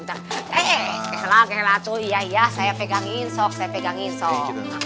hei kela kela tuh iya iya saya pegangin sok saya pegangin sok